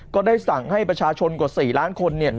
ก็ได้สั่งให้ประชาชนกว่า๔ล้านคนเนี่ย